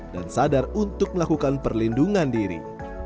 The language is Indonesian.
dan sadar untuk melakukan perlindungan diri